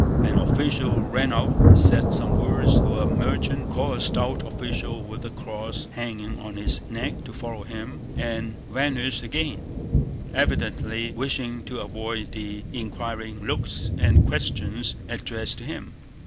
An official ran out, said some words to a merchant, called a stout official with a cross hanging on his neck to follow him, and vanished again, evidently wishing to avoid the inquiring looks and questions addressed to him.